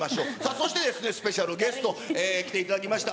そしてスペシャルゲスト、来ていただきました。